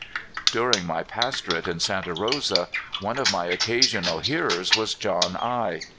During my pastorate at Santa Rosa one of my occasional hearers was John I